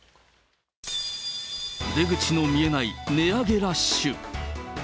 出口の見えない値上げラッシュ。